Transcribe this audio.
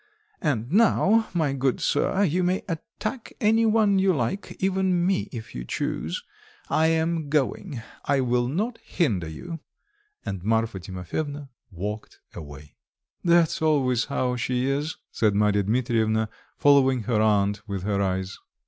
"And now, my good sir, you may attack any one you like, even me if you choose; I'm going. I will not hinder you." And Marfa Timofyevna walked away. "That's always how she is," said Marya Dmitrievna, following her aunt with her eyes.